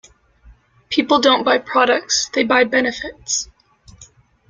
People don't buy products, they buy benefits.